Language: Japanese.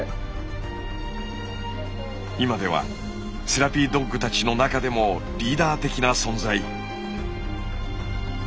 今ではセラピードッグたちの中でもリーダー的な存在。